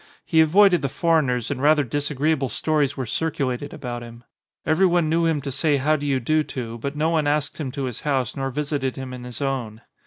He avoided the foreigners and rather dis agreeable stories were circulated about him. Everyone knew him to say how do you do to, but no one asked him to his house nor visited him in his own.